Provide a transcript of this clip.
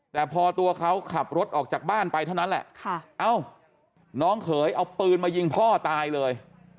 แต่พอเขาขับรถออกจากบ้านไปแล้วน้องเขยเอาเปลือนมายิงพ่อตายเลย